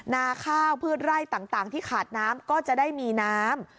นาข้าวพืชไร่ต่างที่ขาดน้ำก็จะได้มีน้ำ